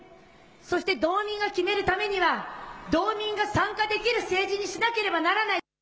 そして道民が決めるためには道民が参加できる政治にしなければならない。